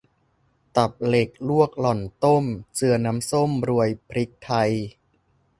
ตับเหล็กลวกหล่อนต้ม เจือน้ำส้มโรยพริกไทย